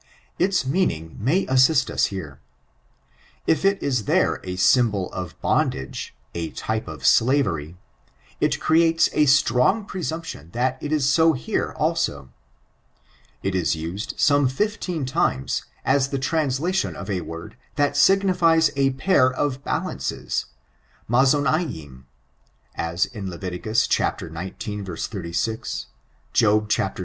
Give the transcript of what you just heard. Its meaning there may assist us here. If it b there a symbol of bondage — a type of slavery— it creates a strong presumption that it is so here, alsa It is used some fifteen times as the translation of a word that signifies a pair of balances, mozanayimf as in Lev. xix. 36 ,: Job vi.